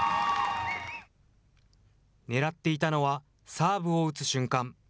ねらっていたのは、サーブを打つ瞬間。